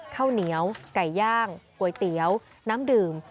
ข้าวเหนียวไก่ย่างก๋วยเตี๋ยวน้ำดื่ม